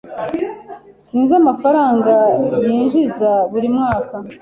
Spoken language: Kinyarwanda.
S Sinzi amafaranga yinjiza buri mwaka.